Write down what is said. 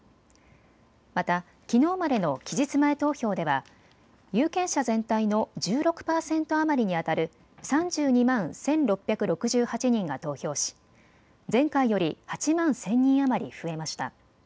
またきのうまでの期日前投票では有権者全体の１６％余りにあたる３２万１６６８人が投票し前回より８万１０００人余り増えました。